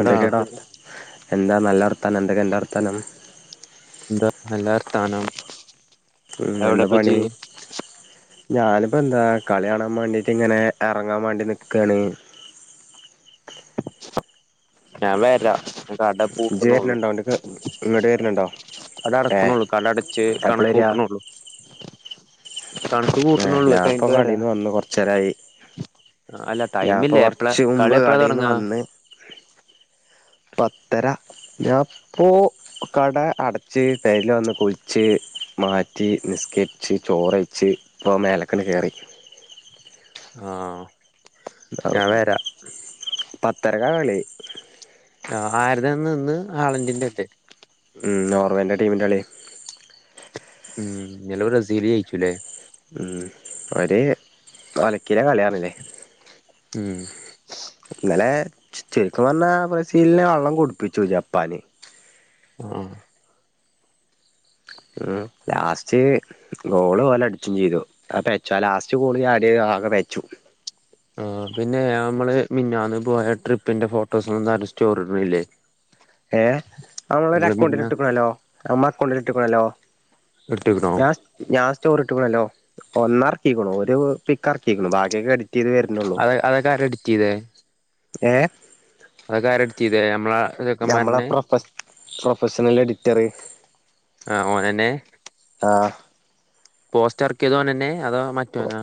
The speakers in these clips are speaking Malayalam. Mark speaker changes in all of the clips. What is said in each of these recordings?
Speaker 1: എടാ
Speaker 2: എന്താ നല്ല വർത്താനം എന്തൊക്കെണ്ട് വർത്താനം
Speaker 1: എന്താ നല്ല സ്ഥാനം
Speaker 2: മ് എന്താ പണി ഞാനിപ്പോ എന്താ കളി കാണാൻ വേണ്ടീട്ട് ഇങ്ങനെ ഇറങ്ങാൻ വേണ്ടി നിക്കുകയാണ് [unintelligible]
Speaker 1: ഞാൻ വരാം
Speaker 2: ഇജ്ജ് വരുന്നുണ്ടോ എങ്ങട്ട്ക്ക് ഇങ്ങട്ട് വരുന്നുണ്ടോ
Speaker 1: കട
Speaker 2: ഏ
Speaker 1: അടക്കണള്ളൂ കട അടച്ച്
Speaker 2: എപ്പളാ
Speaker 1: കണക്ക്
Speaker 2: വരിക
Speaker 1: കൂട്ടണുള്ളു
Speaker 2: ഏ
Speaker 1: അത്
Speaker 2: ഞാനിപ്പോ
Speaker 1: കഴിഞ്ഞിട്ട് വരാ
Speaker 2: കടേന്ന് വന്ന് കുറച്ച നേരായി
Speaker 1: അല്ല
Speaker 2: ഞാൻപ്പൊ
Speaker 1: ടൈമില്ലേ എപ്പളാ
Speaker 2: കൊറച്ചു
Speaker 1: കളി
Speaker 2: മുമ്പ്
Speaker 1: എപ്പളാ
Speaker 2: കടേന്ന്
Speaker 1: തൊടങ്ങാ
Speaker 2: വന്ന് പത്തര ഞപ്പോൾ കട അടച്ച് [unintelligible] വന്ന് കുഴിച്ച് മാറ്റി നിസ്കരിച്ച് ചോറു കഴിച്ച് ഇപ്പ മേലക്കണ് കയറി
Speaker 1: ആഹ് ഞാൻ വരാം
Speaker 2: പത്തരക്കാ കളി
Speaker 1: ആ ആരതന്ന് നിന്ന് [unintelligible]
Speaker 2: മ് നോർവേൻ്റെ ടീമിൻ്റെ കളി
Speaker 1: മ് ഇന്നലെ ബ്രസീൽ ജയിച്ചു ല്ലേ
Speaker 2: മ് അവര് അലക്കില കളിയാണല്ലേ
Speaker 1: മ്
Speaker 2: ഇന്നലെ ശരിക്കും പറഞ്ഞാ ബ്രസീലിനെ വെള്ളം കുടിപ്പിച്ചു ജപ്പാന്
Speaker 1: ആഹ്
Speaker 2: ഉം ലാസ്റ്റ് ഗോള് ഓല് അടിച്ചും ചെയ്തു അ പച്ചോ ലാസ്റ്റ് ഗോള് [unintelligible] ആകെ വച്ചു
Speaker 1: ആ പിന്നെ നമ്മള് മിന്നാന്ന് പോയ ട്രിപ്പിന്റെ ഫോട്ടോസും എന്താ ആരും സ്റ്റോറിയിടുന്നില്ലേ
Speaker 2: ഏഹ് നമ്മളൊ ഒരു അക്കൗണ്ടിൽ ഇട്ട്ക്കണല്ലോ നമ്മളെ അക്കൗണ്ടിൽ ഇട്ട്ക്കണല്ലോ
Speaker 1: ഇട്ടേക്കണോ
Speaker 2: ഞ ഞാൻ സ്റ്റോറി [unintelligible] ഒന്നറക്കിക്ക്ണ് ഒരു പിക്ക്റക്ക്യാണ് ബാക്കിയൊക്കെ എട്
Speaker 1: അതെ അതൊക്കൊആര് എഡിറ്റ് ചെയ്തേ
Speaker 2: ഏ
Speaker 1: അതൊക്കെ ആര് എഡിറ്റ്‌ ചെയ്തേ നമ്മളെ
Speaker 2: നമ്മളെ
Speaker 1: ചെക്കന്മാരന്നെ
Speaker 2: പ്രൊഫ പ്രൊഫഷണൽ എഡിറ്ററ്
Speaker 1: ആഹ് ഓനന്നെ പോസ്റ്റ് എറക്കിയത് ഓനന്നേ അതോ അതോ മറ്റൊനോ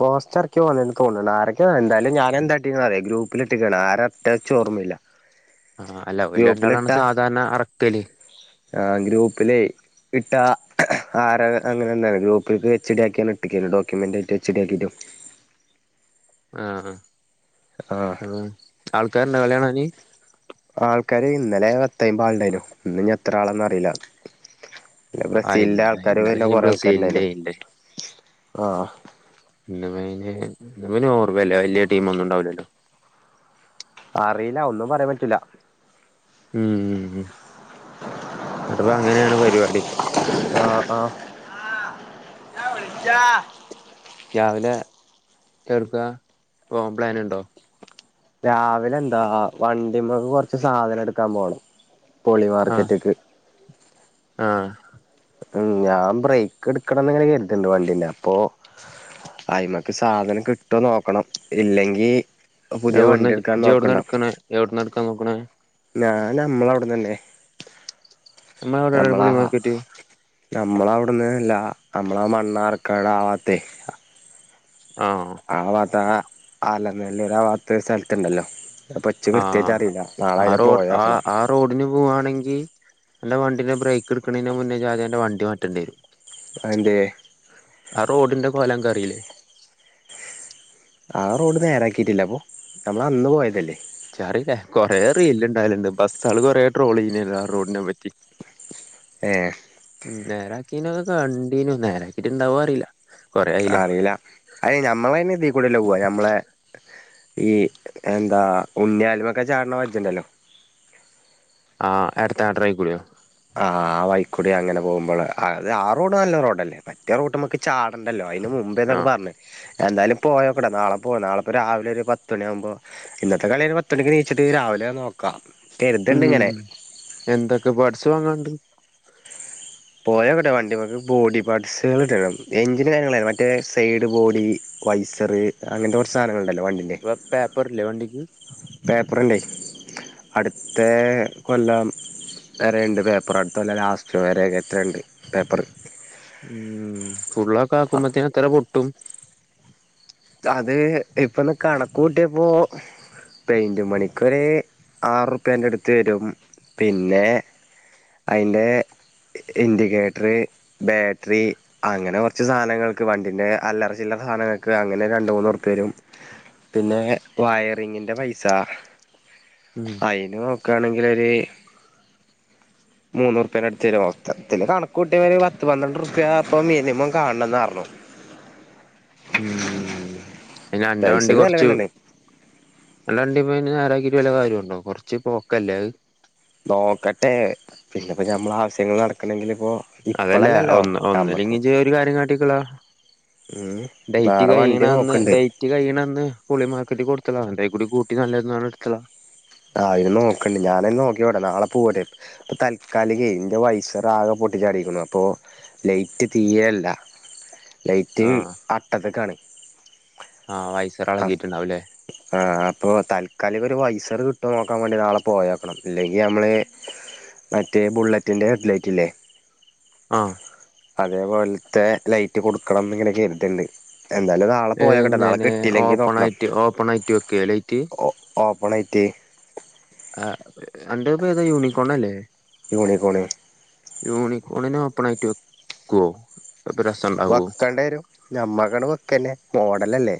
Speaker 2: പോസ്റ്ററക്കിയത് ഓനെന്നു തോന്നണു ആരൊക്ക എന്തായാലും ഞാന് എന്താ ഇട്ടെന്ന് അറിയോ ഗ്രൂപ്പിലിട്ട [unintelligible] [unintelligible] ഓർമ്മയില്ല
Speaker 1: ആഹ് അല്ല ഓല് രണ്ടാളാണ്
Speaker 2: ഗ്രൂപ്പിലിട്ടാ
Speaker 1: സാധാരണ അറക്കല്
Speaker 2: ആ ഗ്രൂപ്പിലേ ഇട്ട ആര അങ്ങനെ എന്താണ് ഗ്രൂപ്പിക്ക് എച്ച് ഡി ആക്കിയന്ന് ഇട്ട്ക്ക് ഡോക്യുമെന്റ് ആയിട്ട് എച്. ഡി ആക്കീട്ട്
Speaker 1: ആഹ് അ ആൾക്കാരുണ്ടോ കളി കാണാന്
Speaker 2: ആൾക്കാര് ഇന്നലെ പത്തു അയ്ൻപത് ആളുണ്ടയിനു ഇന്ന് ഇനി എത്ര ആളാന്ന് അറിയില്ല
Speaker 1: ആഹ്
Speaker 2: ബ്രസീലിന്റെ
Speaker 1: ഇന്നലെ
Speaker 2: ആൾക്കാാര്
Speaker 1: ഇന്നലെ
Speaker 2: പിന്നെ
Speaker 1: ഈ
Speaker 2: കൊറെേ
Speaker 1: ബ്രസീലിന്റെ
Speaker 2: ആൾക്കാരണ്ടായാലും ആഹ്
Speaker 1: ഇന് ഇന് ഓർമ്മല്ലേ വല്യ ടീം ഒന്നും ഉണ്ടാവുലല്ലോ
Speaker 2: അറിയില്ല ഒന്നും പറയാൻ പറ്റൂല്ല
Speaker 1: ഉം എന്നിട്ടിപ്പൊ അങ്ങനെയാണ് പരിപാടി
Speaker 2: ആഹ് ഞാ വിളിച്ചാ
Speaker 1: രാവിലെ എവിടുക്കാ പോവാൻ പ്ലാനുണ്ടോ
Speaker 2: രാവിലെ എന്താ വണ്ടിമ്മക്ക് കൊറച്ച് സാധനം എടുക്കാൻ പോണം പോളി
Speaker 1: ആഹ്
Speaker 2: മാർക്കറ്റക്ക്
Speaker 1: ആഹ്
Speaker 2: ഉം ഞാൻ ബ്രേക്ക് എടുക്കണംന്ന് ഇങ്ങനെ കരുതിണ്ട് വണ്ടീന്റെ അപ്പൊ അയിമക്ക് സാധനം കിട്ടുവോ നോക്കണം ഇല്ലെങ്കി പുതിയ
Speaker 1: എവിടന്ന്
Speaker 2: വണ്ടി എടുക്കാൻ
Speaker 1: ഇജ് എവിട്ന്നാ
Speaker 2: നോക്കണ്ട
Speaker 1: എടക്കണ എവിടന്ന് എടുക്കാൻ നോക്കണ
Speaker 2: ഞാൻ നമ്മള അവിടന്നന്നെ
Speaker 1: നമ്മടെ അവിടെ പുളി മാർക്കെറ്റ്
Speaker 2: നമ്മള അവിടന്ന്ല്ലാ നമ്മളാ മണ്ണാർക്കാട്ആ ഭാഗത്തെ
Speaker 1: ആഹ്
Speaker 2: ആ വാത്ത ആ അല നല്ല ആ വാത്ത സ്ഥലത്തണ്ടല്ലോ
Speaker 1: ആഹ് ആ റോഡ് ആ
Speaker 2: പോയോക്കണം
Speaker 1: ആ റോഡിന് പോവാണെങ്കിൽ എന്റെ വണ്ടീ ബ്രേക്ക് എടുക്കണന മുന്നേ ജാം എന്റെ വണ്ടിമാറ്റേണ്ടി വരും
Speaker 2: എന്തേ
Speaker 1: ആ റോഡിന്റെ കൊലം നിങ്ങക്കറിയില്ലേ
Speaker 2: ആ റോഡ് നേരാക്കിയിട്ടില്ല അപ്പൊ നമ്മൾ അന്ന് പോയതല്ലേ
Speaker 1: സാരല്ല കൊറെ റീല് ഇണ്ടായാലണ്ട് ബസ്സള് കൊറെ ട്രോള് ചെയ്യ്തീണല്ലോആ റോഡിനെ പറ്റി
Speaker 2: [inaudible]
Speaker 1: നേരാക്കീനക്കെ കണ്ടീനു നേരാക്കിട്ട് ഇണ്ടവോ അറിയില്ല കൊറേ ആയില്ലേ
Speaker 2: അറിയില്ല അതിന് ഞമ്മള ഇതീക്കൂടെല്ല പോവാ നമ്മളെ ഈ എന്താ ഉണ്ണൃലുമൊക്കെ ചാടന വച്ചണ്ടല്ലോ [inaudible]
Speaker 1: ആ അടുത്ത ആടറിക്കൂളിയോ
Speaker 2: ആഹ് ആഹ് വൈക്കുടി അങ്ങനെ പോകുമ്പോൾ അത് ആ റോഡ് നല്ല റോഡല്ലേ മറ്റേ റോട്ട് മ്മക്ക് ചാടണ്ടല്ലോ അതിന് മുമ്പേതോ
Speaker 1: ആഹ്
Speaker 2: പറഞ്ഞു എന്തായാലും പോയോക്കെ നാളെ പോ നാളെപ്പോ രാവിലെ അല്ലേ നോക്കാം കരുതുണ്ട്
Speaker 1: ഉം
Speaker 2: ഇങ്ങനെ
Speaker 1: എന്തൊക്കെ ബഡ്‌സ് വാങ്ങാണ്ട്
Speaker 2: പോയ കിട്ടാ വണ്ടിമുക്ക് ബോഡി പാർസൾ കിട്ട എഞ്ചി കാര്യങ്ങള മറ്റേ സൈഡ് ബോഡി വൈസറ് അങ്ങനത്തെ കുറ സാധനങ്ങൾണ്ട്
Speaker 1: പേപ്പർല്ലേ വണ്ടിക്ക്
Speaker 2: പേപ്പറുണ്ടേ അടുത്ത കൊല്ലം വേറേണ്ട് പേപ്പർ അടുത്തകൊല്ലം ലാസ്റ്റവരെ എത്രണ്ട് പേപ്പറ്
Speaker 1: ഉം ഫുള്ളൊക്കെ ആക്കുമ്പത്തേന് എത്ര പൊട്ടും
Speaker 2: അത് ഇപ്പൊന്ന് കണക്ക് കൂട്ടിയപ്പോ പെയിന്റ് പണിക്കൊരു ആറ്പ്യന്റെ അടുത്ത് വരും പിന്നെ അയിന്റെ ഇൻഡിക്കേറ്ററ് ബാറ്ററി അങ്ങനെ കുറച്ച് സാധനങ്ങൾക്ക് വണ്ടിന്റെ അല്ലറച്ചില്ലറ സാധനങ്ങൾക്ക് അങ്ങനെ രണ്ട് മൂന്ന് രുപ്യാ വരും പിന്നെ വയറിങ്ങിന്റെ പൈസ
Speaker 1: ഉം
Speaker 2: അയിനു നോക്കയാണെങ്കിൽ ഒരു മൂന്നു റുപ്യാ അടുത്ത് വരും മൊത്തത്തിൽ കണക്ക് കൂട്ടിയവര് പത്ത് പന്ത്രണ്ട് റുപ്യാ ഇപ്പ മിനിമം കാണണന്ന് പറഞ്ഞു [inaudible]
Speaker 1: ഉം അന്റെ
Speaker 2: പൈസ
Speaker 1: വണ്ടി കൊറച്ചു
Speaker 2: ചെലവന്നെയാണ്
Speaker 1: നല്ല വണ്ടി പോയിരുനെ [unintelligible] വല്ല കാര്യുണ്ടോ കൊറച്ച് പോക്കല്ലേ അത്
Speaker 2: നോക്കട്ടെ പിന്നെപ്പോ ഞമ്മള ആവശ്യങ്ങൾ നടക്കണെങ്കിൽ ഇപ്പോ
Speaker 1: അതല്ല
Speaker 2: ഇപ്പളല്ലല്ലോ
Speaker 1: ഒന്ന്
Speaker 2: ഞമ്മക്ക്
Speaker 1: ഒന്നില്ലെങ്ക ഒരു കാര്യം കാട്ടിക്കളാ
Speaker 2: ഉം
Speaker 1: ഡേറ്റ്
Speaker 2: വേറെ വണ്ടി
Speaker 1: കഴിയണന്ന്
Speaker 2: നോക്കണ്ട്
Speaker 1: ഡേറ്റ് കഴിയണന്ന് പുളി മാർക്കറ്റ് കൊടുത്തത അതേക്കൂടി കൂട്ടി നല്ലന്ന് എടുക്കള
Speaker 2: ആഹ് അന് നോക്കണ്ടണ്ട് ഞാന നോക്കിവിടെ നാളെ പോവട്ടെ ഇപ്പൊ തൽക്കാലികേ ഇന്റെ വൈസർ ആകെ പോ പൊട്ടിച്ചാടിക്കുന്നു അപ്പോൾ ലൈറ്റ് തീരെയല്ല ലൈറ്റ്
Speaker 1: ആഹ്
Speaker 2: അട്ടത്തക്കാണ്
Speaker 1: ആഹ് വൈസർളക്കിട്ടുണ്ടാവല്ലേ
Speaker 2: ഇപ്പോൾ താൽക്കാലിക ഒരു വൈസർ കിട്ടു നോക്കാൻ വേണ്ടി നാളെ പോയോ ക്കണം ഇല്ലെങ്കിൽ നമ്മൾ മറ്റേ ബുള്ളറ്റിൻ്റെ ഹെഡ്ലൈറ്റില്ലേ?
Speaker 1: ആഹ
Speaker 2: അതേപോലത്തെ ലൈറ്റ് കൊടുക്കണംന്ന് ഇങ്ങനെ കരുതിണ്ട്. എന്തായാലും നാളെ പോയോ കെട്ടെ നാളെ
Speaker 1: എങ്ങനെ
Speaker 2: കിട്ടില്ലെങ്കി
Speaker 1: ഓപ്പൺ
Speaker 2: നോക്കണം
Speaker 1: ആയിട്ട് ഓപ്പൺ ആയിട്ട് വെക്കേ ലൈറ്റ്
Speaker 2: ഓ ഓപ്പണായിട്ട്.
Speaker 1: ആ അന്റെത് പേ താ യൂണിക്കോൺ അല്ലേ?
Speaker 2: യുണികോണ്.
Speaker 1: യൂണിക്കോണിനെ ഓപ്പണായിട്ട് വെക്കുവോ? അപ്പൊ രസണ്ടാവോ
Speaker 2: വെക്കണ്ടരും ഞമ്മക്കങ്ങട് വെക്കന്നെ മോഡലല്ലേ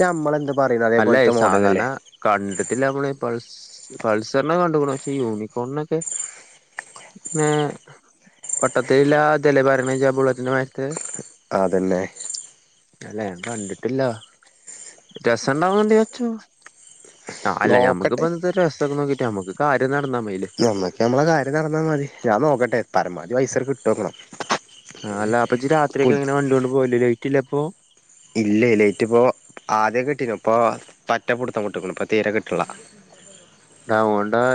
Speaker 2: ഞമ്മളെന്ത് പറയുന്നു
Speaker 1: അല്ല
Speaker 2: അതേപോലത്തെ
Speaker 1: സാധാരണ
Speaker 2: മോഡലല്ലേ
Speaker 1: കണ്ടിട്ടില്ലമ്മള് പ പൾസറിനെ കണ്ടക്ണു പക്ഷെ യൂണിക്കോണിനൊക്കെ? [unintelligible] ബുള്ളത്തിന്റെ മാരിതെ
Speaker 2: അതന്നെ
Speaker 1: അല്ല ഞാൻ കണ്ടിട്ടില്ല രസുണ്ടാവുന്ന് ണ്ടേ വച്ചോ. ആ അല്ല
Speaker 2: നോക്കട്ടെ
Speaker 1: ഞമ്മുക്ക്വെന്താ രസൊക്കെ നോക്കിട്ട് നമ്മുക്ക് കാര്യം നടന്ന
Speaker 2: നമ്മക്ക് നമ്മളെ കാര്യം നടന്നാ മതി ഞാൻ നോക്കട്ടെ പരമാവധി പൈസ കിട്ടോ നോകണം.
Speaker 1: ആ അല്ല അപ്പൊ ജ് രാത്രിയൊക്കെ എങ്ങനെ വണ്ടിയോണ്ട് പോവല് ലൈറ്റ് ഇല്ല അപ്പൊ?
Speaker 2: ഇല്ലെയ് ലൈറ്റിപ്പോ ആദ്യ ഒകെ കിട്ടീ നി ഇപ്പൊ പറ്റപ്പുടുത്തം വിട്ട്ക്ക്ണ് ഇപ്പൊ തീരെ കിട്ട്നില്ല. [inaudible]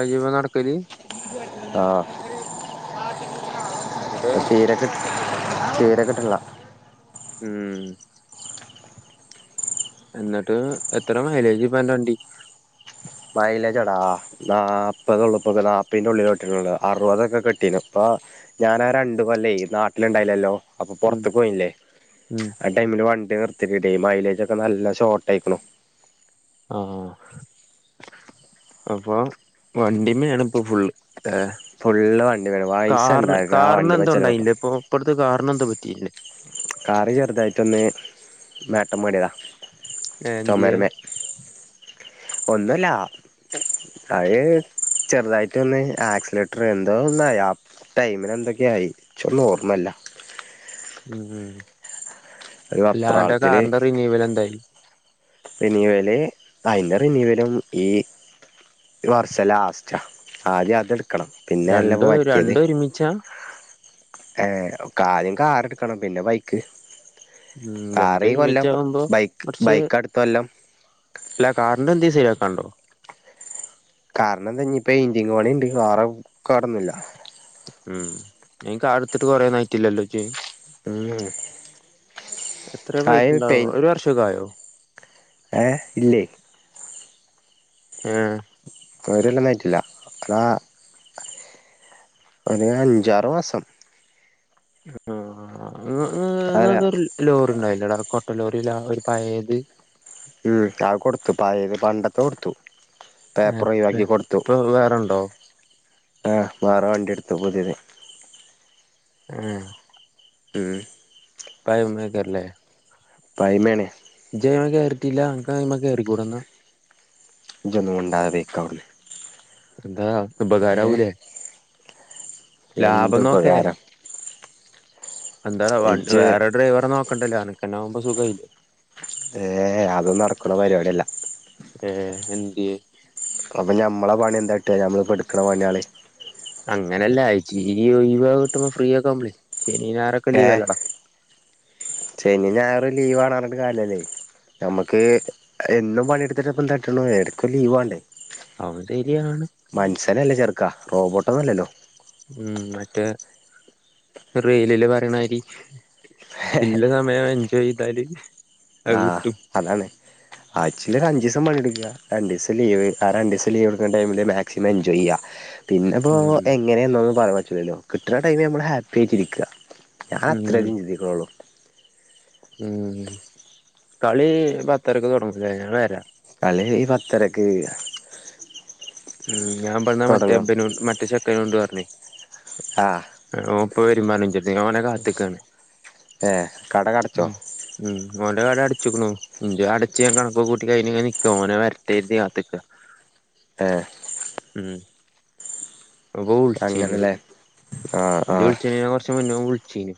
Speaker 1: ജ്ജയ് മെനടക്കല്.
Speaker 2: ആഹ
Speaker 1: എന്നിട്ട്
Speaker 2: [unintelligible] തീരെ കിട്ട്നില്ല.
Speaker 1: ഉം എന്നിട്ട് എത്ര മൈലേജ് ഇപ്പോ അന്റ വണ്ടിക്ക്?
Speaker 2: മൈലേജെടാ നാപ്പത് ഒള്ളുപ്പ നാപിന്റെ ഉള്ളിലേ കിട്ടൊള്ളു അറുപതൊക്കെ കിട്ടീ നി ഇപ്പോ ഞാനാരണ്ട് കൊല്ലെയ് നാട്ടില്ണ്ടായില്ലല്ലോ? അപ്പൊ
Speaker 1: ഉം
Speaker 2: പുറത്ത് ക്ക്പോയില്ലേ
Speaker 1: ഉം
Speaker 2: ആ ടൈമില് വ നിർത്തിട്ട് ടെയ് മൈലേജ് ഒക്കെ നല്ല ഷോർട്ട് ആയിക്ണു.
Speaker 1: ആഹ അപ്പൊ വണ്ടി േമ്മണ് ഇപ്പൊ ഫുള്ള്. ഏ
Speaker 2: ഫുള്ള് വണ്ടി വേണം പൈസ
Speaker 1: കാറിന്
Speaker 2: ഉണ്ടാക്കുക ആ വണ്ടി
Speaker 1: കാറിനെന്തോ
Speaker 2: വെച്ചെലവൊക്കെ
Speaker 1: ഇണ്ടായില്ല ഇപ്പൊ ഇ െപ്പടുത് കാറിനെ േന്താ? തിൽ
Speaker 2: കാറ് ചെറുതായിട്ടൊന്ന് മേട്ടം മേടിയതാ.
Speaker 1: ഏ എന്ത്യേ?
Speaker 2: ഒന്നൂല്ല അഹ ചെറുതായിട്ട് ഒന്ന് ആക്സിലേറ്റർ എന്തോ ഒന്നായി ആടൈമിന് എന്തൊക്കെയോ ആയി ഇച്ച് ഒന്നും ഓർമ്മല്ല.
Speaker 1: ഉം ഉം
Speaker 2: ഒരു
Speaker 1: ലാന്റെ കാറിന്റെ റിനീവൽ എന്തായി?
Speaker 2: റിനിവല് അതിന്റെ റിനിവലും ഈ വർഷ ലാസ്റ്റ് ആദ്യം അത് എടു വക്കണം
Speaker 1: രണ്ട്
Speaker 2: പിന്നെല്ലപ്പോ മറ്റേത്.
Speaker 1: രണ്ട് ഒരുമിച്ചാ
Speaker 2: ഏ ആദ്യം കാർ എടുക്കണം പിന്നെ ബൈക്ക്.
Speaker 1: ഉം
Speaker 2: കാർ ഈ കൊല്ലം
Speaker 1: രണ്ടൊരുമിച്ചാവുമ്പോ
Speaker 2: ബൈക്ക്
Speaker 1: കൊറച്ച്.
Speaker 2: ബൈക്ക് അടുത്ത കൊല്ലം
Speaker 1: അല്ല കാറിന്റെ എന്തേലും ശരിയാക്കണ്ടോ?
Speaker 2: കാറിനെന്താ ഇപ്പ പെയിന്റിംങ് പണി ണ്ട് വേറെ കേടൊന്നുല്ല.
Speaker 1: ഉം ഇ കാറിടുത്തിട്ട് കൊറേ നയിറ്റില്ലല്ലോ ജ്ജ്.
Speaker 2: ഉം
Speaker 1: എത്രയ പോയിട്ടുണ്ടാവോ ഒരു വർഷൊക്കെ ആയോ?
Speaker 2: ഏഹ ഇല്ലേയ്
Speaker 1: ആഹ
Speaker 2: ഒരൊലൊന്നും ആയിട്ടില്ല ആ ഒരു അഞ്ചാറ്മാസം
Speaker 1: മം മം
Speaker 2: അതല്ല
Speaker 1: നിങ്ങൾക്ക് രുലോറണ്ടായിനോട ക്കൊട്ടലോറി? ഒരുപഴത്
Speaker 2: ഉം അകൊടുത്തു പായത് പണ്ടത്തെകൊടുത്തു പേപ്പർഒഴിവാക്കികൊടുത്തു
Speaker 1: ഇപ്പൊ വേറെണ്ടോ
Speaker 2: ആഹ വേറെവണ്ടിടുത്തു പുതിയത്
Speaker 1: മമം
Speaker 2: മം
Speaker 1: ഉപ്പ ഉമ്മക്കൊ അറിലെ
Speaker 2: പൈമേണ്
Speaker 1: ജയ്മ്മേകയറിട്ടില്ല അൻക്കയിമ്മേകേറികൂടെന്ന
Speaker 2: ജൊന്നുമുണ്ടാതെപൊയ്ക്കാവ്ട്ന്ന്
Speaker 1: ന്താ അൻക്ക്ഉപകാരാവുലെ
Speaker 2: എന്തു ഉപകാരം
Speaker 1: എന്താ വ വേറെഡ്രൈവറെനോക്കണ്ടല്ലേ അനക്കന്നെവുമ്പോസുഖയിലെ
Speaker 2: ഏ അതോന്നുനടക്കുണപരിപാടില്ല
Speaker 1: ഏ
Speaker 2: അപ്പൊഞമ്മളെപണിയന്താട്ട ഞമ്മള് ഇപ്പോ എടുക്കുന്ന പണിക്കൾ
Speaker 1: അങ്ങനെല്ല അയച്ചി [unintelligible] കിട്ടുമ്പോ ഫ്രീയൊക്കെആവുബ്ലേയ് ശനിഞയറൊക്കെ
Speaker 2: ഏ
Speaker 1: ലീവഅല്ലടാ
Speaker 2: ശനി ഞായർ ലീവാണ് പറഞ്ഞിട്ട് കാര്യല്ല ഞമ്മക്ക് എന്നുംപണിയെടുത്തിട്ടപ്പന്താട്ടുണു എടക്ക് ഒരു ലീവ് വേണ്ടേ
Speaker 1: അവൻ ശരിയാണ്
Speaker 2: മനുഷ്യനല്ലേചെർക്കാ റോബോട്ടൊന്നുല്ലല്ലോ
Speaker 1: ഉം മറ്റേ റീലില് പറയ്ണ മാതിരി ഇല്ലസമയം എൻജോയ് ചെയ്താൽ
Speaker 2: ആ അതാണ് ആയിച്ചീലരു അഞ്ചീസ്സം പണിട്ക്കാ രണ്ടീസ്സം ലീവ് ആരണ്ടീസ്സം ലീവ് എടുക്ക്ണ ടൈമില് മാക്സിമം എൻജോയ്ചെയ്യാ പിന്നെപ്പോ
Speaker 1: ഉം
Speaker 2: എങ്ങനെയന്നൊന്നും പറാൻ പറ്റുല്ലല്ലോ കിട്ട്ണ ടൈ മിൽ നമ്മൾ ഹാപ്പി ആയിട്ടിരിക്ക ഞാൻ
Speaker 1: ഉം
Speaker 2: അത്രേ ചിന്തിക്കുന്നുള്ളു
Speaker 1: ഉം കളി പത്തരക്ക് തുടങ്ങുംലെ ഞാൻ വരാ
Speaker 2: അ ഈ പത്തരക്ക്
Speaker 1: ഉം ഞാൻ പറഞ്ഞ
Speaker 2: തുടങ്ങും
Speaker 1: മറ്റേബ്നും മറ്റേ ചെക്കാനൊണ്ട് പറഞ്ഞേയ്
Speaker 2: ആ
Speaker 1: ഇപ്പ വരും പറഞ്ഞുഇന്ജെട്തക്ക് ഞാഓനെ കാത്തക്കാണ്
Speaker 2: ഏ കട കടച്ചോ
Speaker 1: കടം അടച്ചുക്കുണു അടച്ച് കണക്കൊക്കെ കൂട്ടികഴിഞ്ഞ് ഇങ്ങനെക്കാ ഓനെവരട്ടെവര്തികാത്ത്ക്കാ
Speaker 2: ആഹ്
Speaker 1: ഉം പ്പൊബൾചീനു
Speaker 2: അങ്ങനെല്ലേ ആ ആ
Speaker 1: ജ്ജ്‌ വിളിച്ചേനനെ കൊർച് മുന്നേ വിളിച്ചീനു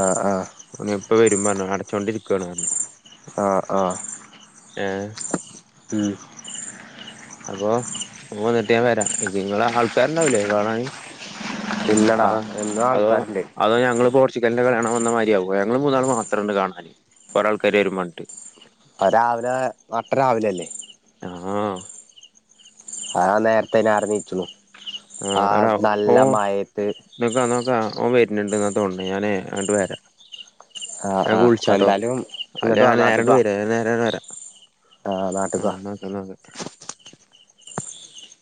Speaker 2: ആഹ്
Speaker 1: അവന് ഇപ്പവരും പറഞ്ഞു അടച്ചോണ്ടിരിക്കണ്റഞ്ഞു
Speaker 2: ആ ആ
Speaker 1: ഏ
Speaker 2: മ്
Speaker 1: അപ്പൊ ഓ വന്നിട്ട് ഞാവരാ നിങ്ങളെ ആൾക്കാരുണ്ടാവൂലേ കാണാന്? അ
Speaker 2: പിന്നെടാ എന്നും
Speaker 1: അതോ
Speaker 2: ആൾക്കാരുണ്ട്
Speaker 1: അതോ ഞങ്ങള് ച്ച്ഗൽന്റെ കളിയാണാൻ വന്നമാരിയാവും ഞങ്ങൾ മൂന്നാളും മാത്രംണ്ട് കാണാന് കൊറേൾക്കാര് വരുപറഞ്ഞിട്ട്
Speaker 2: അ രാവിലെ നട്ടരാവിലെല്ലേ?
Speaker 1: ആഹാ
Speaker 2: ആ നേരത്തെയ്ന് ആരു നീച്ചുണു
Speaker 1: ആഹ്
Speaker 2: ആ
Speaker 1: എടാ ഓ
Speaker 2: നല്ല മയത്ത്
Speaker 1: നോക്കാം നോക്കാം ഓൻ വര്ന്ന്ണ്ട്ന്നതൊൺണ് ഞാനെയ് അങ്ങട്ട് വര
Speaker 2: ആ
Speaker 1: ഞാൻ
Speaker 2: ആ
Speaker 1: വിളിച്ചാട്ടോ
Speaker 2: എന്തായാലും
Speaker 1: അല്ല
Speaker 2: ഇങ്ങോട്ട് വാ
Speaker 1: ഞാൻ
Speaker 2: നാട്ടിക്ക്
Speaker 1: നേരണ്ട്
Speaker 2: വാ
Speaker 1: വര നേര വര.
Speaker 2: ആ നാട്ടിക്ക് വാ
Speaker 1: [unintelligible]